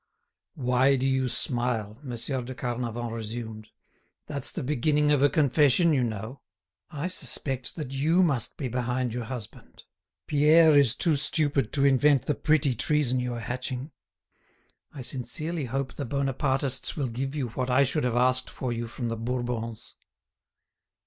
"Why do you smile?" Monsieur de Carnavant resumed. "That's the beginning of a confession, you know. I suspected that you must be behind your husband. Pierre is too stupid to invent the pretty treason you are hatching. I sincerely hope the Bonapartists will give you what I should have asked for you from the Bourbons."